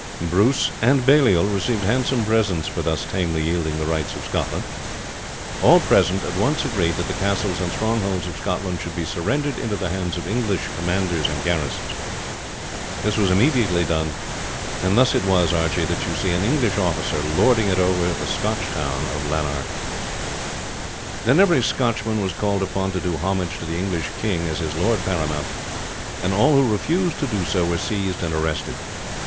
"Bruce and Baliol received handsome presents for thus tamely yielding the rights of Scotland. All present at once agreed that the castles and strongholds of Scotland should be surrendered into the hands of English commanders and garrisons. This was immediately done; and thus it is, Archie, that you see an English officer lording it over the Scotch town of Lanark. "Then every Scotchman was called upon to do homage to the English king as his lord paramount, and all who refused to do so were seized and arrested.